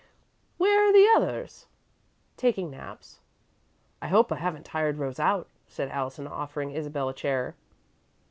"Where are the others?" "Taking naps." "I hope I haven't tired Rose out," said Allison, offering Isabel a chair.